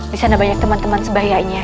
di sana banyak teman teman sebayanya